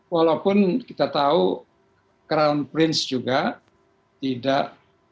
walaupun kita tahu crown prince juga tidak